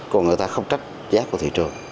còn người ta không trách giá của thị trường